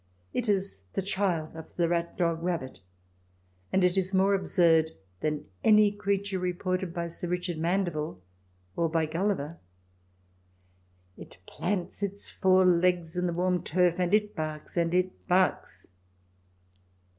It is the child of the rat dog rabbit, and it is more absurd than any creature reported by Siif Richard Mandeville or by Gulliver. It plants its four legs in the warm turf, and it barks, and it barks.